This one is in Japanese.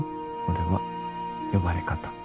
俺は呼ばれ方。